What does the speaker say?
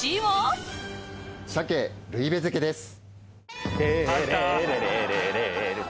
鮭ルイベ漬です。